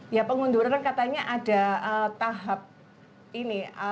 ya pengunduran katanya ada tahap ini